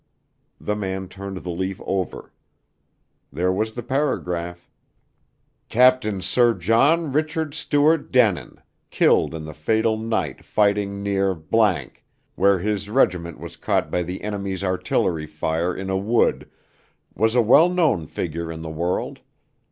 The man turned the leaf over. There was the paragraph. "Captain Sir John Richard Stuart Denin, killed in the fatal night fighting near , where his regiment was caught by the enemy's artillery fire in a wood, was a well known figure in the world.